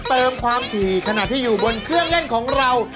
เติมความถี่ขณะที่อยู่บนเครื่องเล่นของเรา